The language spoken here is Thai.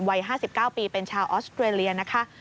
วัย๕๙ปีเป็นชาวออสเตรเลียนะคะ